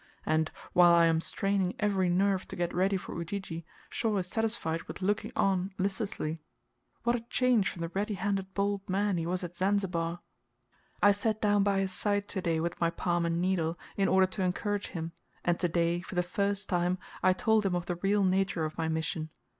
And, while I am straining every nerve to get ready for Ujiji, Shaw is satisfied with looking on listlessly. What a change from the ready handed bold man he was at Zanzibar! I sat down by his side to day with my palm and needle in order to encourage him, and to day, for the first time, I told him of the real nature of my mission.